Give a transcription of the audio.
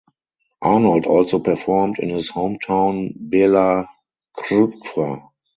Arnold also performed in his hometown Bela Crkva.